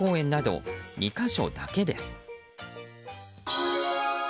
動物自然公園など２か所だけです。